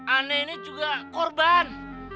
aneh ini juga korban